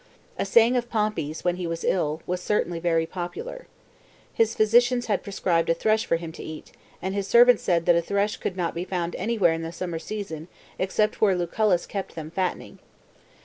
A saying of Pompey's, when he was ill, was certainly very popular. His physicians had prescribed a thrush for him to eat, and his servants said that a thrush could not be found anywhere in the summer season except where Lucullus kept them fattening.